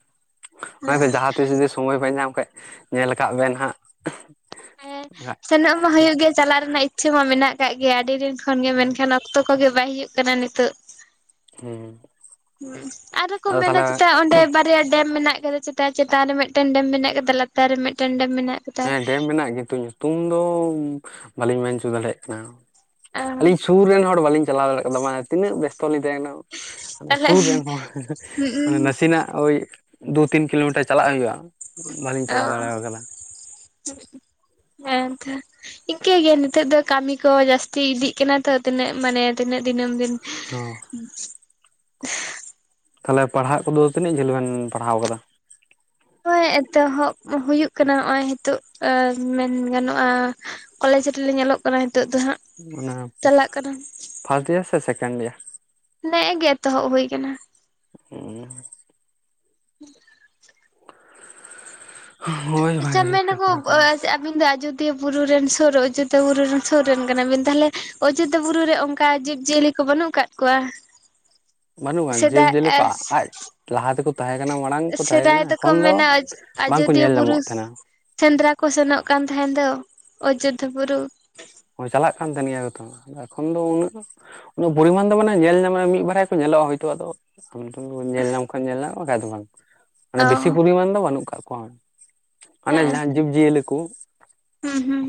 ᱦᱳᱭᱛᱚ ᱡᱟᱦᱟᱸ ᱛᱤᱥ ᱡᱩᱫᱤ ᱥᱚᱢᱚᱭ ᱯᱮ ᱧᱟᱢ ᱠᱷᱟᱱᱡ ᱧᱮᱞ ᱠᱟᱜ ᱵᱮᱱ ᱦᱟᱸᱜ᱾ [inaudible] ᱪᱟᱞᱟᱜ ᱢᱟ ᱦᱩᱭᱩᱜ ᱜᱮᱭᱟ ᱪᱟᱞᱟᱜ ᱨᱮᱱᱟᱜ ᱤᱪᱪᱷᱟᱹ ᱢᱟ ᱢᱮᱱᱟᱜ ᱠᱟᱜ ᱜᱮᱭᱟ, ᱟᱹᱰᱤ ᱫᱤᱱ ᱠᱷᱚᱱ ᱜᱮ ᱦᱳᱭ ᱢᱮᱱᱠᱷᱟᱱᱼᱼ ᱚᱠᱛᱚ ᱠᱚᱜᱮ ᱵᱟᱭ ᱦᱩᱭᱩᱜ ᱠᱟᱱᱟ ᱱᱤᱛᱚᱜ᱾ ᱦᱩᱸ ᱦᱩᱸ ᱟᱨᱚ ᱠᱚ ᱟᱫᱚ ᱢᱮᱱᱟ ᱛᱟᱦᱚᱞᱮ ᱪᱮᱫᱟ ᱚᱸᱰᱮ ᱵᱟᱨᱭᱟ ᱰᱮᱢ ᱢᱮᱱᱟᱜᱼᱟ ᱪᱮᱛᱟᱱ ᱨᱮ ᱢᱤᱫᱴᱟᱝ ᱰᱮᱢ ᱢᱮᱱᱟᱜ ᱟᱠᱟᱫᱟ ᱞᱟᱛᱟᱨ ᱨᱮ ᱢᱤᱫᱴᱮᱱ ᱰᱮᱢ ᱢᱮᱱᱟᱜ ᱟᱠᱟᱫᱟ᱾ ᱦᱮᱸ ᱰᱮᱢ ᱢᱮᱱᱟᱜ ᱠᱤᱱᱛᱩ ᱧᱩᱛᱩᱢ ᱫᱚ ᱵᱟᱹᱞᱤᱧ ᱢᱮᱱ ᱦᱚᱪᱚ ᱫᱟᱲᱮᱭᱟᱜ ᱠᱟᱱᱟ ᱟᱹᱞᱤᱧᱼᱼ ᱥᱩᱨ ᱨᱮᱱ ᱦᱚᱲ ᱵᱟᱞᱤᱧ ᱪᱟᱞᱟᱣ ᱫᱟᱲᱮ ᱠᱟᱣᱫᱟ ᱢᱟ ᱛᱤᱱᱟᱹᱜ ᱵᱮᱥᱛᱚ ᱞᱤᱧ ᱛᱟᱦᱮᱸ ᱠᱟᱱᱟ᱾ ᱛᱟᱦᱞᱮ ᱥᱩᱨ ᱨᱮᱱ ᱦᱚᱲ ᱢᱟᱱᱮ ᱱᱟᱥᱮᱱᱟᱜ ᱳᱭᱼᱼ ᱫᱩ ᱛᱤᱱ ᱠᱤᱞᱳᱢᱤᱴᱟᱨ ᱪᱟᱞᱟᱜ ᱦᱩᱭᱩᱜᱼᱟ ᱵᱟᱹᱞᱤᱧ ᱪᱟᱞᱟᱣ ᱫᱟᱲᱮᱭᱟ ᱠᱟᱫᱟ ᱦᱮᱸ ᱮᱱᱛᱮ ᱤᱝᱠᱟᱹ ᱜᱮ ᱱᱤᱛᱚᱜ ᱫᱚ ᱠᱟᱹᱢᱤ ᱠᱚ ᱡᱟᱹᱥᱛᱤ ᱤᱫᱤᱜ ᱠᱟᱱᱟ ᱛᱚ ᱛᱤᱱᱟᱹᱜ ᱢᱟᱱᱮ ᱛᱤᱱᱟᱹᱜ ᱫᱤᱱᱟᱹᱢ ᱫᱤᱱ ᱦᱚᱸ [inaudible] ᱛᱷᱟᱞᱮ ᱯᱟᱲᱦᱟᱜ ᱠᱩᱫᱚ ᱛᱤᱱᱟᱹᱜ ᱡᱷᱟᱹᱞ ᱵᱮᱱ ᱯᱟᱲᱦᱟᱣ ᱠᱟᱫᱟ? ᱦᱳᱭ ᱮᱛᱚᱦᱚᱵ ᱦᱩᱭᱩᱜ ᱠᱟᱱᱟ ᱱᱚᱜ-ᱚᱭ ᱦᱤᱛᱳᱜ ᱢᱮᱱ ᱜᱟᱱᱚᱜ-ᱟ ᱾ ᱠᱚᱞᱮᱡᱽ ᱨᱮ ᱞᱤᱧ ᱚᱞᱚᱜ ᱠᱟᱱᱟ ᱦᱤᱛᱚᱜ ᱫᱚ ᱦᱟᱸᱜ ᱾ ᱚᱱᱟ ᱯᱷᱟᱥᱴ ᱰᱤᱭᱟᱨ ᱥᱮ ᱥᱮᱠᱮᱱᱰ ᱰᱤᱭᱟᱨ ᱱᱮᱜᱮ ᱜᱮ ᱮᱛᱚᱦᱚᱵ ᱦᱳᱭ ᱠᱟᱱᱟ᱾ ᱦᱩᱸᱻ ᱦᱳᱭ ᱟᱪᱪᱷᱟ ᱵᱷᱟᱜᱮ ᱡᱩᱛ ᱢᱮᱱᱟ ᱛᱮ ᱠᱚ ᱯᱟᱲᱦᱟᱣ ᱛᱟᱵᱚᱱ [inaudible] ᱟᱵᱤᱱ ᱫᱚ ᱟᱡᱚᱫᱤᱭᱟᱹ ᱵᱩᱨᱩ ᱨᱮᱱ ᱥᱩᱨ ᱟᱡᱳᱫᱷᱟ ᱵᱩᱨᱩ ᱨᱮᱱ ᱥᱩᱨ ᱨᱮᱱ ᱠᱟᱱᱟᱵᱤᱱ ᱛᱟᱦᱚᱞᱮ ᱚᱡᱳᱫᱷᱟ ᱵᱩᱨᱩ ᱨᱮ ᱚᱱᱠᱟ ᱡᱤᱵᱼᱼ ᱡᱤᱭᱟᱹᱞᱤ ᱠᱚ ᱵᱟᱹᱱᱩᱜ ᱟᱠᱟᱫ ᱠᱚᱣᱟ? ᱵᱟᱹᱱᱩᱜ-ᱟ ᱡᱤᱵᱽ-ᱡᱤᱭᱟᱹ ᱥᱮᱫᱟᱭ ᱠᱚᱣᱟᱜ ᱟᱡ ᱞᱟᱦᱟ ᱛᱮ ᱠᱚ ᱛᱟᱦᱮᱸ ᱠᱟᱱᱟ ᱢᱟᱲᱟᱝ ᱠᱚ ᱛᱟᱦᱮᱸ ᱥᱮᱫᱟᱭ ᱠᱟᱱᱟ ᱫᱚᱠᱚ ᱮᱠᱷᱚᱱ ᱫᱚ ᱢᱮᱱᱟ ᱵᱟᱝ ᱠᱚ ᱟᱡᱚᱫᱤᱭᱟᱹ ᱧᱮᱞ ᱵᱩᱨᱩ ᱧᱟᱢᱚᱜ ᱛᱟᱦᱮᱸ ᱱᱟ ᱾ ᱥᱮᱸᱫᱽᱨᱟ ᱠᱚ ᱥᱮᱱᱚᱜ ᱠᱟᱱ ᱛᱟᱦᱮᱸᱱ ᱫᱚ ᱚᱡᱳᱫᱽᱫᱷᱟ ᱵᱩᱨᱩ᱾ ᱦᱳᱭ ᱪᱟᱞᱟᱜ ᱠᱟᱱ ᱛᱟᱦᱮᱱ ᱜᱮᱭᱟ ᱠᱚ ᱛᱚ ᱮᱠᱷᱚᱱ ᱫᱚ ᱩᱱᱟᱹᱜ ᱾ ᱩᱱᱟᱹᱜ ᱯᱚᱨᱤᱢᱟᱱ ᱫᱚ ᱢᱟᱱᱮ ᱧᱮᱞ ᱧᱟᱢ-ᱟ ᱢᱤᱫ ᱵᱟᱨᱭᱟ ᱠᱚ ᱧᱮᱞᱚᱜ-ᱟ ᱦᱳᱭᱛᱳ ᱟᱫᱚ [inaudible] ᱧᱮᱞ ᱧᱟᱢ ᱠᱷᱟᱱ ᱧᱮᱞ ᱧᱟᱢ ᱵᱟᱠᱷᱟᱱ ᱫᱚ ᱵᱟᱝ ᱢᱟᱱᱮ ᱚ ᱵᱤᱥᱤ ᱯᱚᱨᱤᱢᱟᱱ ᱫᱚ ᱵᱟᱹᱱᱩᱜ ᱠᱟᱜ ᱠᱚᱣᱟ ᱢᱟᱱᱮ ᱦᱮᱸ ᱡᱟᱦᱟᱸᱱ ᱡᱤᱵᱽ-ᱡᱤᱭᱟᱹᱞᱤ ᱠᱩ ᱦᱩᱸ ᱦᱩᱸ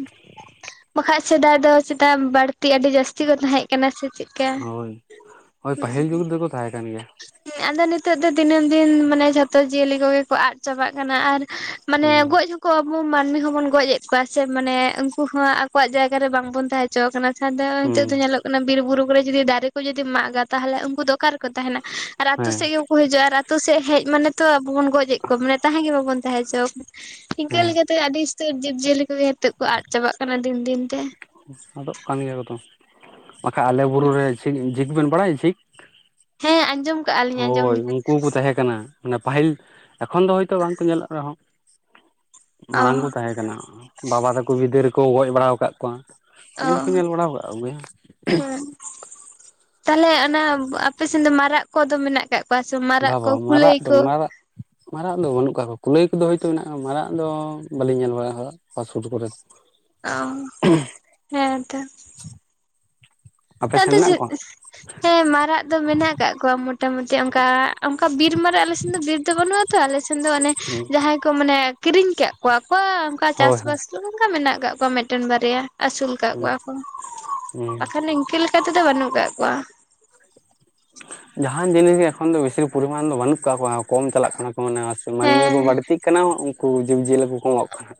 ᱵᱟᱠᱷᱟᱡ ᱥᱮᱫᱟᱭ ᱫᱚ ᱪᱮᱛᱟ ᱵᱟᱹᱲᱛᱤ ᱟᱹᱰᱤ ᱡᱟᱹᱥᱛᱤ ᱠᱚ ᱛᱟᱦᱮᱸᱜ ᱠᱟᱱᱟ ᱥᱮ ᱪᱮᱜ ᱦᱳᱭ ᱦᱳᱭ ᱯᱟᱹᱦᱤᱞ ᱡᱩᱜᱽ ᱨᱮ ᱫᱚ ᱠᱚ ᱛᱟᱦᱮᱸ ᱠᱟᱱ ᱜᱮᱭᱟ ᱾ ᱦᱮᱸ ᱟᱫᱚ ᱱᱤᱛᱚᱜ ᱫᱚ ᱫᱤᱱᱟᱹᱢ ᱫᱤᱱ ᱢᱟᱱᱮ ᱡᱷᱚᱛᱚ ᱡᱤᱭᱟᱹᱞᱤ ᱠᱚ ᱜᱮᱠᱚ ᱟᱫ ᱪᱟᱵᱟᱜ ᱠᱟᱱᱟ᱾ ᱟᱨ ᱢᱟᱱᱮ ᱦᱩᱸ ᱜᱚᱡ [inaudible] ᱟᱵᱚ ᱢᱟᱹᱱᱢᱤ ᱦᱚᱵᱚᱱ ᱜᱚᱡ ᱮᱫ ᱠᱚᱣᱟ ᱥᱮ ᱢᱟᱱᱮ ᱩᱱᱠᱩ ᱦᱚᱸ ᱟᱠᱚᱣᱟᱜ ᱡᱟᱭᱜᱟ ᱨᱮ ᱵᱟᱝᱵᱚᱱ ᱛᱟᱦᱮᱸ ᱦᱚᱪᱚ ᱠᱟᱱᱟ ᱟᱫᱚ ᱱᱤᱛᱚᱜ ᱦᱩᱸ ᱫᱚ ᱧᱮᱞᱚᱜ ᱠᱟᱱᱟ ᱵᱤᱨ-ᱵᱩᱨᱩ ᱠᱚᱨᱮ ᱡᱩᱫᱤ ᱫᱟᱨᱮ ᱠᱚ ᱡᱩᱫᱤᱢ ᱢᱟᱸᱜᱟ ᱛᱟᱦᱞᱮ ᱩᱱᱠᱩ ᱫᱚ ᱚᱠᱟ ᱨᱮᱠᱚ ᱛᱟᱦᱮᱸ ᱱᱟ᱾ ᱟᱨ ᱟᱛᱳ ᱦᱮᱸ ᱥᱮᱜ ᱜᱮᱠᱩ ᱦᱤᱡᱩᱜ-ᱟ ᱟᱨ ᱟᱛᱳ ᱥᱮᱜ ᱦᱮᱡ ᱢᱟᱱᱮ ᱛᱚ ᱟᱵᱚ ᱵᱚᱱ ᱜᱚᱡ ᱮᱫ ᱠᱚᱣᱟ ᱢᱟᱱᱮ ᱛᱟᱦᱮᱸ ᱜᱮ ᱵᱟᱵᱚᱱ ᱛᱟᱦᱮᱸ ᱪᱚ ᱣᱟᱠᱩ ᱤᱝᱠᱟᱹ ᱦᱮᱸ ᱞᱮᱠᱟ ᱛᱮ ᱟᱹᱰᱤ ᱩᱥᱛᱟᱹᱨ ᱡᱤᱵᱽ-ᱡᱤᱭᱟᱹᱞᱤ ᱠᱚᱜᱮ ᱱᱤᱛᱚᱜ ᱠᱚ ᱟᱫ ᱪᱟᱵᱟᱜ ᱠᱟᱱᱟ ᱫᱤᱱ ᱫᱤᱱ ᱛᱮ ᱟᱫᱚᱜ ᱠᱟᱱ ᱜᱮᱭᱟ ᱠᱚ ᱛᱚ, ᱵᱟᱠᱷᱟᱡ ᱟᱞᱮ ᱵᱩᱨᱩ ᱨᱮ ᱪᱷᱤᱠ ᱡᱷᱤᱠ ᱵᱤᱱ ᱵᱟᱲᱟᱭᱟ ᱡᱷᱤᱠ? ᱦᱮᱸ ᱟᱸᱡᱚᱢ ᱠᱟᱜᱼᱟ ᱞᱤᱧ ᱟᱸᱡᱚᱢ ᱦᱳᱭ ᱩᱱᱠᱩ ᱦᱩᱠᱩ ᱛᱟᱦᱮᱸ ᱠᱟᱱᱟ ᱾ ᱢᱟᱱᱮ ᱯᱟᱹᱦᱤᱞ ᱮᱠᱷᱚᱱ ᱫᱚ ᱦᱳᱭᱛᱚ ᱵᱟᱝ ᱠᱚ ᱧᱮᱞᱚᱜ ᱨᱮᱦᱚᱸ, ᱚ ᱢᱟᱲᱟᱝ ᱠᱚ ᱛᱟᱦᱮᱸ ᱠᱟᱱᱟ ᱾ ᱵᱟᱵᱟ ᱛᱟᱠᱩ ᱵᱤᱫᱟᱹᱞ ᱠᱚ ᱜᱚᱡ ᱵᱟᱲᱟᱣ ᱠᱟᱜ ᱠᱚᱣᱟ᱾ ᱚ, ᱧᱮᱞ ᱦᱚᱸᱠᱚ ᱧᱮᱞ ᱵᱟᱲᱟ ᱟᱠᱟᱫ ᱠᱚᱜᱮᱭᱟ ᱦᱮᱸ ᱾ ᱛᱟᱞᱦᱮ ᱚᱱᱟ ᱟᱯᱮ ᱥᱮᱱ ᱫᱚ ᱢᱟᱨᱟᱜ ᱠᱚᱫᱚ ᱢᱮᱱᱟᱜ ᱠᱟᱜ ᱠᱚᱣᱟ ᱥᱮ ᱢᱟᱨᱟᱜ ᱠᱚ ᱠᱩᱞᱟᱹᱭ ᱠᱚ ᱢᱟᱨᱟᱫ ᱫᱚ ᱵᱟᱹᱱᱩᱜ ᱠᱟᱜ ᱠᱚᱣᱟ ᱠᱩᱞᱟᱹᱭ ᱠᱚᱫᱚ ᱦᱳᱭᱛᱳ ᱢᱮᱱᱟᱜ-ᱟ ᱢᱟᱨᱟᱜ ᱫᱚ ᱵᱟᱹᱞᱤᱧ ᱧᱮᱞ ᱵᱟᱲᱟ ᱦᱟ ᱟᱨ ᱥᱩᱨ ᱠᱚᱨᱮ ᱚᱻ, ᱦᱮᱸ ᱛᱚ᱾ ᱟᱯᱮ ᱥᱮᱱ ᱟᱫᱚ ᱢᱮᱱᱟᱜ ᱪᱮᱫ, ᱠᱚᱣᱟ ᱦᱮᱸ ᱢᱟᱨᱟᱜ ᱫᱚ ᱢᱮᱱᱟᱜ ᱠᱟᱜ ᱠᱚᱣᱟ ᱢᱚ ᱢᱚᱴᱟᱢᱚᱴᱤ ᱚᱱᱠᱟ, ᱚᱝᱠᱟ ᱵᱤᱨ ᱢᱟᱨᱟᱜ ᱟᱞᱮ ᱥᱮᱱ ᱫᱚ ᱵᱤᱨ ᱫᱚ ᱵᱟᱹᱱᱩᱜᱼᱟ ᱛᱚ, ᱟᱞᱮ ᱥᱮᱱ ᱫᱚ ᱚᱱᱮ ᱦᱩᱸ ᱡᱟᱦᱟᱸᱭ ᱠᱚ ᱢᱟᱱᱮ ᱠᱤᱨᱤᱧ ᱠᱮᱭᱟᱜ ᱠᱚᱣᱟ ᱠᱚ, ᱚᱱᱠᱟ ᱦᱳᱭ ᱦᱳᱭ ᱪᱟᱥᱵᱟᱥ ᱫᱚ ᱚᱱᱠᱟ ᱢᱮᱱᱟᱜ ᱟᱠᱟᱫ ᱠᱚᱣᱟ ᱢᱤᱫᱴᱮᱱ ᱵᱟᱨᱭᱟ, ᱟᱹᱥᱩᱞ ᱠᱟᱜ ᱦᱩᱸ ᱠᱚᱣᱟ ᱠᱚ᱾ ᱦᱩᱸ᱾ ᱱᱤᱝᱠᱟᱹ ᱞᱮᱠᱟ ᱛᱮᱫᱚ ᱵᱟᱹᱱᱩᱜ ᱠᱟᱜ ᱠᱚᱣᱟ᱾ ᱡᱟᱦᱟᱸᱱ ᱡᱤᱱᱤᱥ ᱜᱮ ᱮᱠᱷᱚᱱ ᱫᱚ ᱵᱮᱥᱤ ᱯᱚᱨᱤᱢᱟᱱ ᱫᱚ ᱵᱟᱹᱱᱩᱜ ᱠᱟᱜ ᱠᱚᱣᱟ, ᱠᱚᱢ ᱪᱟᱞᱟᱜ ᱠᱟᱱᱟ [unintelligible] ᱢᱟᱹᱱᱢᱤ ᱦᱮᱸ᱾ ᱠᱚ ᱵᱟᱹᱲ ᱛᱤᱜ ᱠᱟᱱᱟ, ᱩᱱ ᱠᱩ ᱡᱤᱵᱽᱼᱡᱤᱭᱟᱹᱞᱤ ᱠᱚ ᱠᱚ ᱢᱚᱜ ᱠᱟᱱᱟ᱾